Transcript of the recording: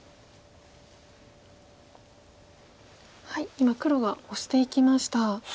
今黒がオシていきました。